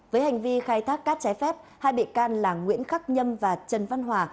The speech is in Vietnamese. với hành vi khai thác cát trái phép hai bị can là nguyễn khắc nhâm và trần văn hòa